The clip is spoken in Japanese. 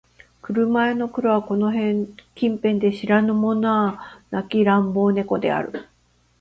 車屋の黒はこの近辺で知らぬ者なき乱暴猫である